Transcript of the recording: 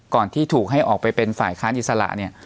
ที่ถูกให้ออกไปเป็นฝ่ายค้านอิสระเนี่ย